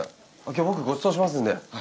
今日僕ごちそうしますんで。